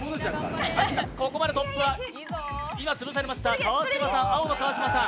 ここまでトップは今、潰されました青の川島さん。